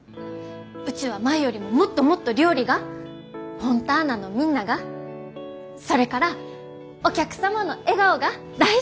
うちは前よりももっともっと料理がフォンターナのみんながそれからお客様の笑顔が大好きになりました。